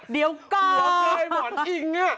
เดี๋ยวก็หัวเกยหมอนอิง